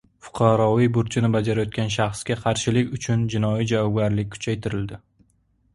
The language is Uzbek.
Fuqaroviy burchini bajarayotgan shaxsga qarshilik uchun jinoiy javobgarlik kuchaytirildi